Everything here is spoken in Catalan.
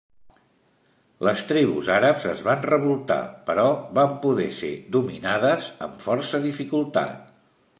Les tribus àrabs es van revoltar, però van poder ser dominades amb força dificultat.